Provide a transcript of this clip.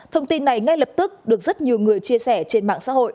thông tin này ngay lập tức được rất nhiều người chia sẻ trên mạng